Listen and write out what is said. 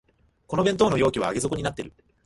この弁当の容器は上げ底になってる